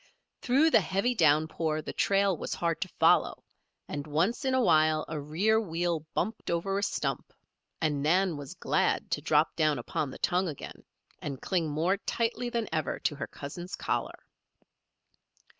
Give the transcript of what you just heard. Through the heavy downpour the trail was hard to follow, and once in a while a rear wheel bumped over a stump, and Nan was glad to drop down upon the tongue again, and cling more tightly than ever to her cousin's collar.